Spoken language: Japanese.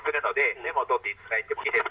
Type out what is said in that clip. メモ取っていただいてもいいですか。